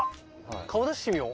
顔出してみよう。